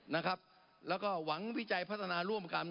นะครับแล้วก็หวังวิจัยพัฒนาร่วมกัน